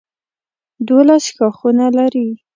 دولس ښاخونه لري.